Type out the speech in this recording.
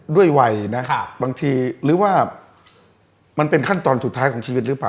ด้วยวัยนะบางทีหรือว่ามันเป็นขั้นตอนสุดท้ายของชีวิตหรือเปล่า